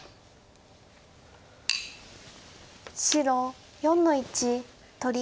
白４の一取り。